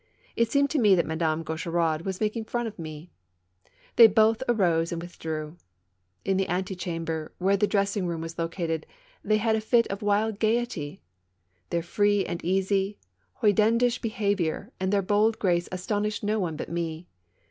It seemed to me that Madame Gaucheraud was making fun of me. They both arose and withdrew. In the ante chamber, where the dressing SALON AND THEATRE. 31 room was located, tliey had a fit of wild ga 3 ^ety. Their free and easy, hoydenish behavior and their bold grace astonished no one but me.